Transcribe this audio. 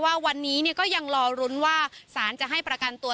ว่าวันนี้ก็ยังรอรุ้นว่าสารจะให้ประกันตัว